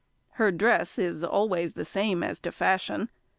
Her dress is always the same as to fashion.